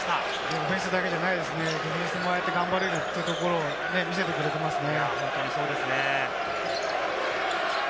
オフェンスだけじゃないですね、ディフェンスも頑張れるところを見せてくれてますね。